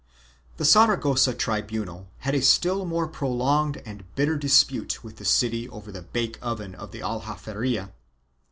2 The Saragossa tribunal had a still more prolonged and bitter dispute with the city over the bake oven of the Aljaferia.